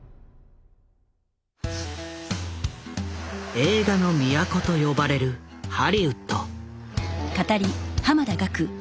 映画の都と呼ばれるハリウッド。